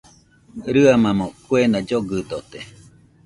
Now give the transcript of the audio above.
Rɨamamo kuena llogɨdote